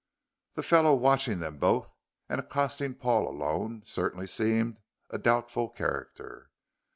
The fellow watching them both and accosting Paul alone certainly seemed a doubtful character.